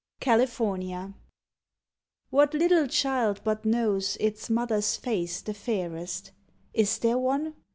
77 CALIFORNIA What little child but knows Its mother s face the fairest? Is there one?